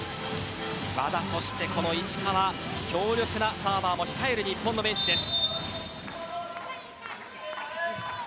和田と石川強力なサーバーが控える日本ベンチです。